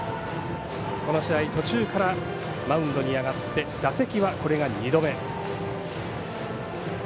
この試合、途中からマウンドに上がって打席は、これが２度目。